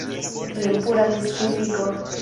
Jen pura mistifiko.